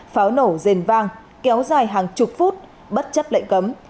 pháo nổ rền vang kéo dài hàng chục phút bất chấp lệnh cấm